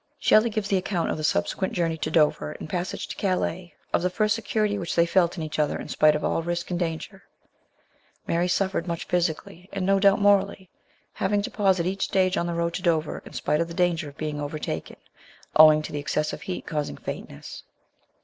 Shelley gives the account of the subsequent journey to Dover and passage to Calais, of the first security they felt in each other in spite of all risk and danger. Mary suffered much physically, and no doubt morally, having to pause at each stage on the road to Dover in spite of the danger of being overtaken, owing to the excessive heat causing faintness.